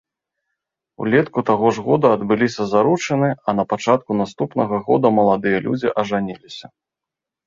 Улетку таго ж года адбыліся заручыны, а напачатку наступнага года маладыя людзі ажаніліся.